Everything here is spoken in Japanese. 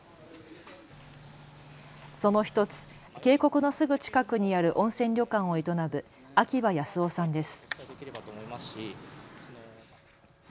その１つ、渓谷のすぐ近くにある温泉旅館を営む秋葉保雄さんです。